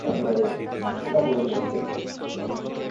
আমার পরিকল্পনাটা শুনুন, এটা খুবই সরল কিন্তু কার্যকরী।